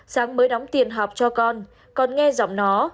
sáng mới đóng tiền học cho con còn nghe giọng nó